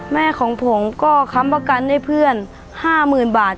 แม่ของผมก็ค้ำประกันให้เพื่อน๕๐๐๐บาท